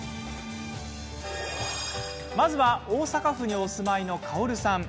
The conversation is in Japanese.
まずは大阪府にお住まいのかおるさん。